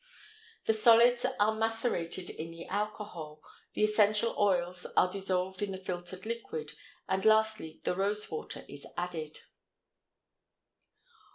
The solids are macerated in the alcohol, the essential oils are dissolved in the filtered liquid, and lastly the rose water is added.